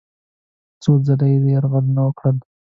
څو ځله یې یرغلونه وکړل.